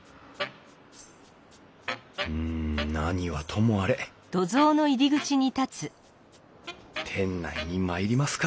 うん何はともあれ店内に参りますか。